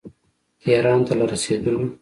تهران ته له رسېدلو.